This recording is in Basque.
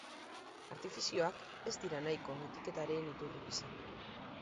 Artifizioak ez dira nahiko etikaren iturri gisa.